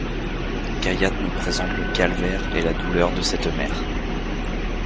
Cayatte nous présente le calvaire et la douleur de cette mère.